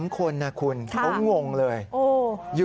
๓คนนะคุณเขางงเลย